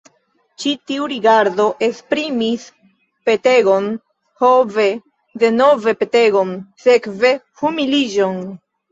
Ĉi tiu rigardo esprimis petegon, ho ve, denove petegon, sekve humiliĝon!